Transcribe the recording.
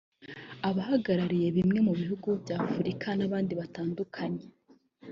abahahagarariye bimwe mu bihugu by’Afurika n’abandi batandukanye